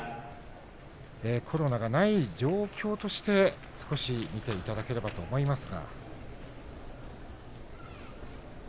コロナがない状況として見ていただければと思います。